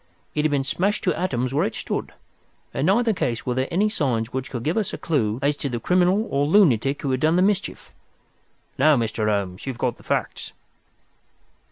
It had been smashed to atoms where it stood. In neither case were there any signs which could give us a clue as to the criminal or lunatic who had done the mischief. Now, Mr. Holmes, you have got the facts."